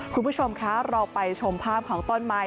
คุณผู้ชมคะเราไปชมภาพของต้นไม้